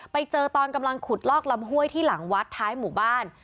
ไปเจอตอนกำลังขุดลอกลำห้วยที่หลังวัดท้ายหมู่บ้าน